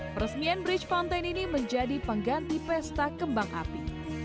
peresmian bridge fountain ini menjadi pengganti pesta kembang api